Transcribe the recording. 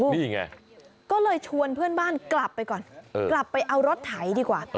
นี่ไงก็เลยชวนเพื่อนบ้านกลับไปก่อนกลับไปเอารถไถดีกว่า